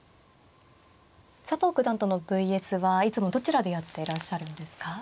佐藤九段とのＶＳはいつもどちらでやっていらっしゃるんですか。